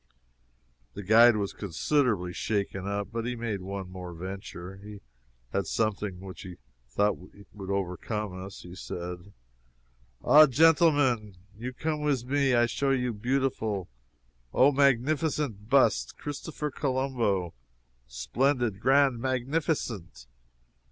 The guide was considerably shaken up, but he made one more venture. He had something which he thought would overcome us. He said: "Ah, genteelmen, you come wis me! I show you beautiful, O, magnificent bust Christopher Colombo! splendid, grand, magnificent!"